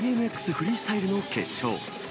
フリースタイルの決勝。